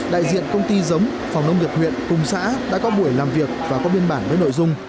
đại diện công ty giống phòng nông nghiệp huyện cùng xã đã có buổi làm việc và có biên bản với nội dung